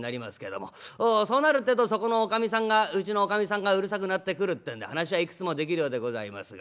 そうなるってえとそこのおかみさんがうちのおかみさんがうるさくなってくるってんで噺はいくつも出来るようでございますが。